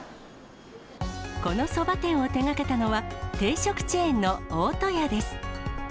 このそば店を手がけたのは、定食チェーンの大戸屋です。